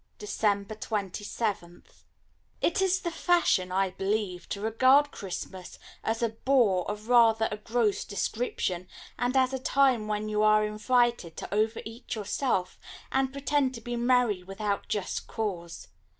December 27th It is the fashion, I believe, to regard Christmas as a bore of rather a gross description, and as a time when you are invited to over eat yourself, and pretend to be merry without just cause.